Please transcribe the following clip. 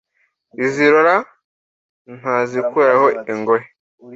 uzirora ntazikuraho ingohe